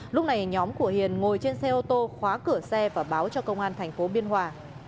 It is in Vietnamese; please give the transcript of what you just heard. lúc này nhóm của hiền ngồi trên xe ô tô khóa cửa xe và báo cho công an thành phố biên hòa